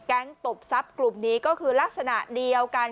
ตบทรัพย์กลุ่มนี้ก็คือลักษณะเดียวกัน